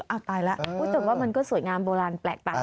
เอาตายแล้วแต่ว่ามันก็สวยงามโบราณแปลกตา